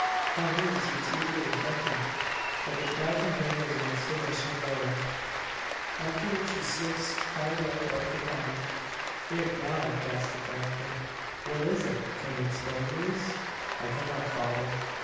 Calhoun seems equally affected. But the cry from him is an exclamation of horror; after which he slinks cowed like out of the cabin. "Great God!" gasps the planter; "what is it? Can you explain, Louise?" "I cannot, father.